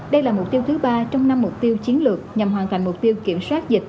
đây là mục tiêu thứ ba trong năm mục tiêu chiến lược nhằm hoàn thành mục tiêu kiểm soát dịch